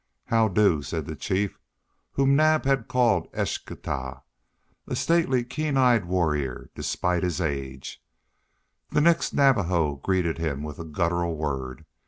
"How do?" said the chief whom Naab had called Eschtah, a stately, keen eyed warrior, despite his age. The next Navajo greeted him with a guttural word.